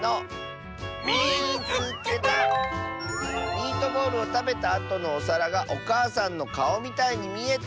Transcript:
「ミートボールをたべたあとのおさらがおかあさんのかおみたいにみえた！」。